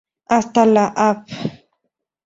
Hasta la Av.